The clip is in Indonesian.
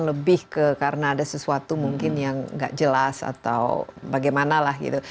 lebih ke karena ada sesuatu mungkin yang nggak jelas atau bagaimana lah gitu